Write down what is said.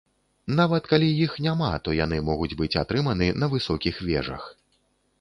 Нават калі іх няма, то яны могуць быць атрыманы на высокіх вежах.